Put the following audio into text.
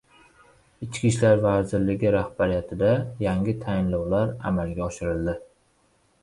Ichki ishlar vazirligi rahbariyatida yangi tayinlovlar amalga oshirildi